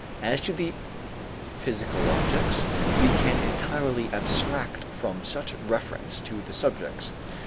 As to the physical objects, we can entirely abstract from such reference to the subjects.